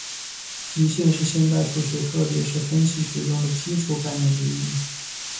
极限是现代数学特别是分析学中的基础概念之一。